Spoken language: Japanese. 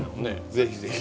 ぜひぜひ。